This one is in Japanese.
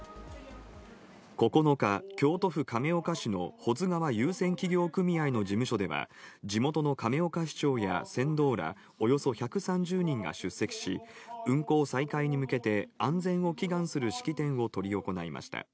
９日、京都府亀岡市の保津川遊船企業組合の事務所では、地元の亀岡市長や船頭らおよそ１３０人が出席し、運航再開に向けて安全を祈願する式典を執り行いました。